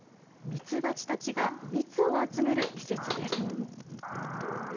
ミツバチたちが蜜を集める季節です。